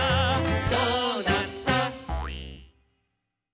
「どうなった！」